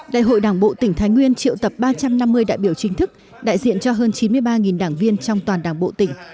đại hội đảng bộ tỉnh thái nguyên triệu tập ba trăm năm mươi đại biểu chính thức đại diện cho hơn chín mươi ba đảng viên trong toàn đảng bộ tỉnh